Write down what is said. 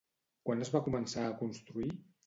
Quan es va començar a construir?